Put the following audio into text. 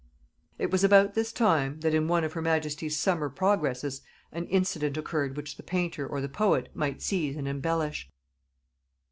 It was about this time, that in one of her majesty's summer progresses an incident occurred which the painter or the poet might seize and embellish.